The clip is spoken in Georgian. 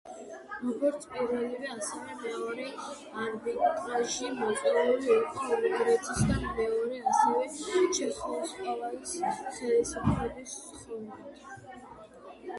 როგორც პირველი ასევევ მეორე არბიტრაჟი მოწვეული იყო უნგრეთის და მეორე ასევე, ჩეხოსლოვაკიის ხელისუფლებების თხოვნით.